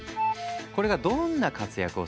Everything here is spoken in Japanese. これがどんな活躍をするのか。